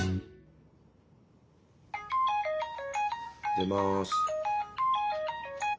出ます。